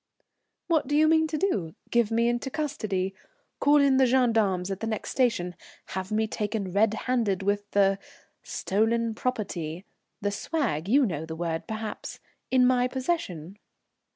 "What do you mean to do? Give me into custody? Call in the gendarmes at the next station? Have me taken red handed with the stolen property the 'swag,' you know the word, perhaps, in my possession?"